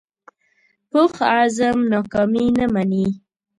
پوخ عزم ناکامي نه مني